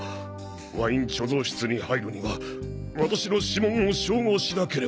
ワイン貯蔵室に入るには私の指紋を照合しなければ。